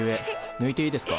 ぬいていいですか？